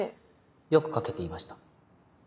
よく書けていました。